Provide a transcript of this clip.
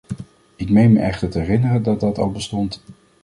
Ik meen me echter te herinneren dat dat al bestond.